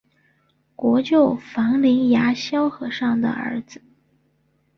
国舅房林牙萧和尚的儿子。